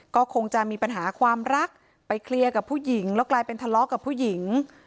ก็คงจะมีปัญหาความรักไปเคลียร์กับผู้หญิงแล้วกลายเป็นทะเลาะกับผู้หญิง